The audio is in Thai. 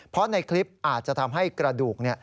เพราะในคลิปอาจจะทำให้กระดูก